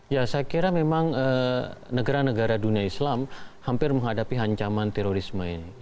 ya saya kira memang negara negara dunia islam hampir menghadapi ancaman terorisme ini